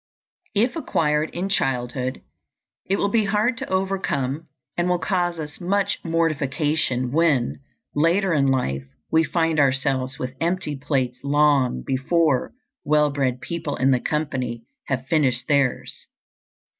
If acquired in childhood, it will be hard to overcome, and will cause us much mortification when, later in life, we find ourselves with empty plates long before well bred people in the company have finished theirs.